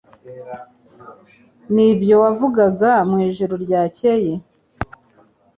Nibyo wavugaga mwijoro ryakeye